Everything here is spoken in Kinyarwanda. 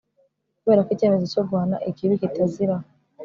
kubera ko icyemezo cyo guhana ikibi kitaziraho